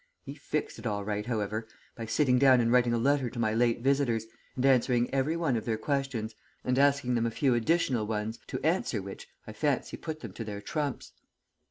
He fixed it all right, however, by sitting down and writing a letter to my late visitors and answering every one of their questions, and asking them a few additional ones, to answer which I fancy put them to their trumps.